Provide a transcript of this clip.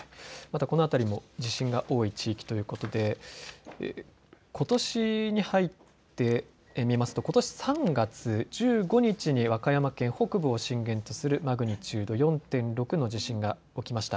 この辺りも地震が多い地域ということでことしに入ってことし３月１５日に和歌山県北部を震源とするマグニチュード４．６の地震が起きました。